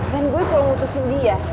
dan gue kalau mutusin dia